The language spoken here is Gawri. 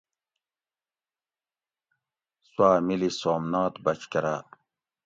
سوا مِلی سومنات بچ کراۤ